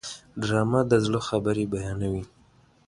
ډرامه د زړه خبرې بیانوي